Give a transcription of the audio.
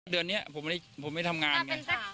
เดือนนี้ผมไม่ทำงานไง